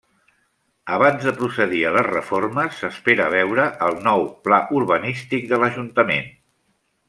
Abans de procedir a les reformes s'espera veure el nou pla urbanístic de l'Ajuntament.